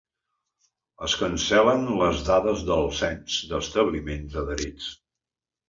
Es cancel·len les dades del cens d'establiments adherits.